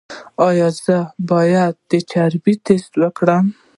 ایا زه باید د چربي ټسټ وکړم؟